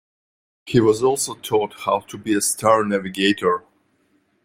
He was also taught how to be a star navigator.